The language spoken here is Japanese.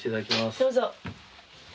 どうぞ。